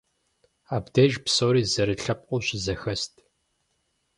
Абдеж псори зэрылъэпкъыу щызэхэст.